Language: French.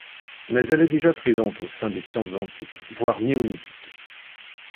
Mais elle est déjà présente au sein des sciences antiques, voire néolithiques.